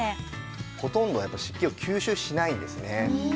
ほとんどやっぱり湿気を吸収しないんですね。